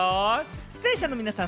出演者の皆さん